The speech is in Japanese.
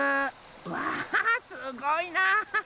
わすごいな！